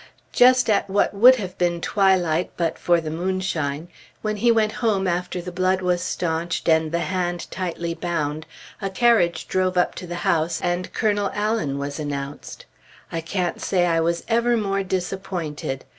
Just at what would have been twilight but for the moonshine, when he went home after the blood was stanched and the hand tightly bound, a carriage drove up to the house, and Colonel Allen was announced. I can't say I was ever more disappointed.